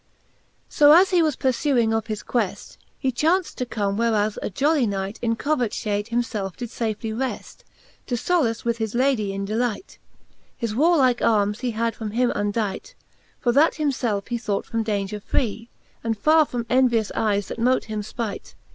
XX. So as he was purfuing of his queft. He chaunft to come whereas a jolly Knight In covert fliade him felfe did fafely reft, Tofblace with his Lady in delight: His warlike armes he had from himundightj For that him felfe he thought from daunger free, And far from envious eyes; that mote him fpight.